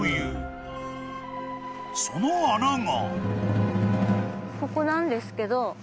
［その穴が］